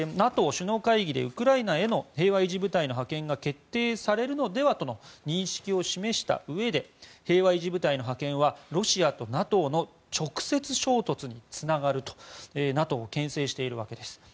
ＮＡＴＯ首脳会議でウクライナへの平和維持部隊の派遣が決定されるのではとの認識を示したうえで平和維持部隊の派遣はロシアとＮＡＴＯの直接衝突につながるとＮＡＴＯを牽制しているわけです。